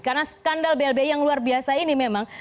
karena skandal blbi yang luar biasa ini memang